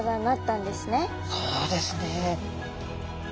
そうですね。